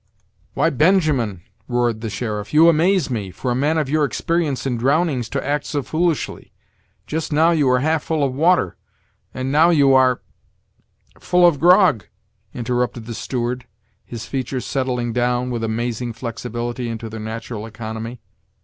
"Why, Benjamin!" roared the sheriff; "you amaze me! for a man of your experience in drownings to act so foolishly! Just now, you were half full of water, and now you are " "Full of grog," interrupted the steward, his features settling down, with amazing flexibility, into their natural economy.